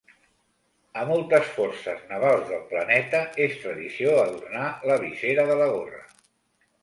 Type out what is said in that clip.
A moltes forces navals del planeta és tradició adornar la visera de la gorra.